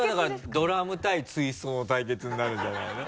ドラム対ツイストの対決になるんじゃないの？